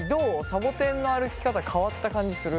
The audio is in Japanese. さぼてんの歩き方変わった感じする？